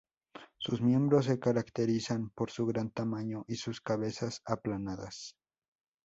Sus miembros se caracterizan por su gran tamaño y sus cabezas aplanadas.